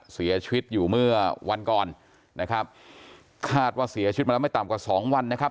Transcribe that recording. เสียชีวิตอยู่เมื่อวันก่อนนะครับคาดว่าเสียชีวิตมาแล้วไม่ต่ำกว่าสองวันนะครับ